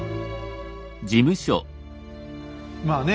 まあね